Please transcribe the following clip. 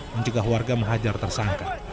menjaga warga menghajar tersangka